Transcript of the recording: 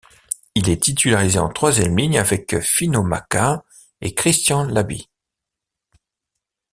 Il est titularisé en troisième ligne avec Finau Maka et Christian Labit.